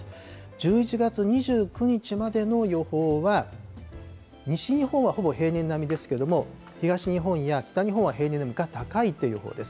１１月２９日までの予報は、西日本はほぼ平年並みですけれども、東日本や北日本は平年並みか高いという予報です。